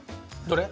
どれ？